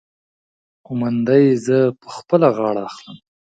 قومانده يې زه په خپله غاړه اخلم.